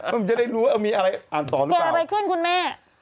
ผมจะได้รู้ว่ามีอะไรอ่านต่อหรือเปล่าเกิดอะไรขึ้นคุณแม่